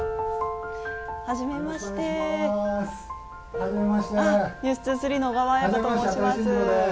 はじめまして、「ｎｅｗｓ２３」の小川彩佳と申します。